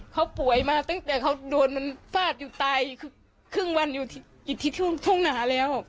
เขาป่วยมาตั้งแต่เขาโดนมันฟาดอยู่ตายคือครึ่งวันอยู่ที่ทุ่งหนาแล้ว